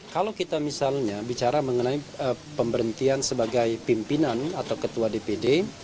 kalau kita misalnya bicara mengenai pemberhentian sebagai pimpinan atau ketua dpd